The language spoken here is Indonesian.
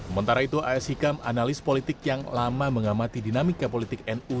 mentara itu as hikam analis politik yang lama mengamati dinamika politik nu